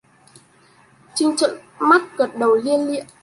Chinh trợn mắt gật đầu lia lịa